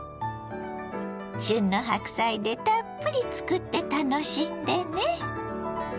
旬の白菜でたっぷり作って楽しんでね。